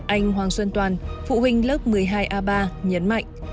anh hoàng xuân toàn phụ huynh lớp một mươi hai a ba nhấn mạnh